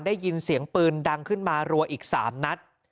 ได้ยินเสียงปืนดังขึ้นมารัวอีก๓นัด